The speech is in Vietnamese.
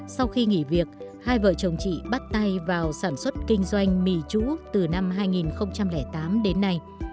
sau khi nghỉ việc hai vợ chồng chị bắt tay vào sản xuất kinh doanh mì chủ từ năm hai nghìn tám đến nay